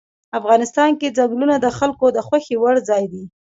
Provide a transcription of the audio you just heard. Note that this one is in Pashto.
افغانستان کې ځنګلونه د خلکو د خوښې وړ ځای دی.